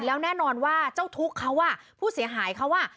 แล้วแน่นอนว่าเจ้าทุกข์เขาอ่ะผู้เสียหายเขาอ่ะ